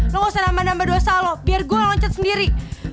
lo gak usah nambah nambah dosa loh biar gue loncat sendiri